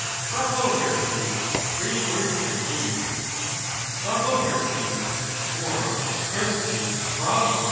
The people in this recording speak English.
Bravo, Heracles, brave words, said he. Bravo Heracles, or is Heracles a bravo?